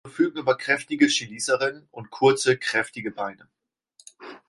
Sie verfügen über kräftige Cheliceren und kurze, kräftige Beine.